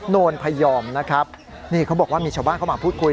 โนนพยอมนะครับนี่เขาบอกว่ามีชาวบ้านเข้ามาพูดคุย